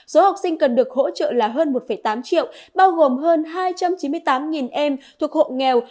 số học sinh cần được hỗ trợ là hơn một tám triệu bao gồm hơn hai trăm chín mươi tám em thuộc hộ nghèo